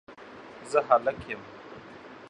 زه هلک یم